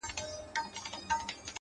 د باد حرکت د پردې شکل بدلوي,